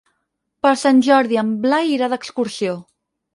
Per Sant Jordi en Blai irà d'excursió.